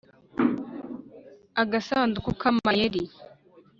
agasanduku k'amayeri